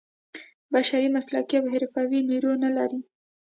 بشري مسلکي او حرفوي نیرو نه لري.